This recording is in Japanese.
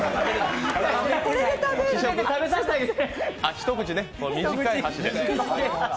一口、短い箸でね。